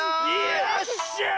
よっしゃい！